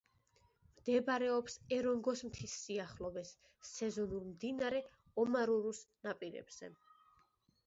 მდებარეობს ერონგოს მთის სიახლოვეს, სეზონურ მდინარე ომარურუს ნაპირებზე.